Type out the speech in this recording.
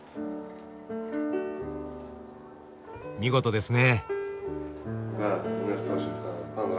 見事ですね。